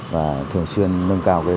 và thường xuyên nâng cao